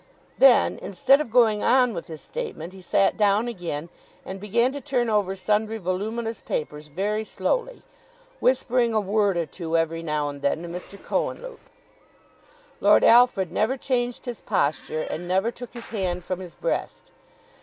Then, instead of going on with his statement, he sat down again, and began to turn over sundry voluminous papers very slowly, whispering a word or two every now and then to Mr. Cohenlupe. Lord Alfred never changed his posture and never took his hand from his breast.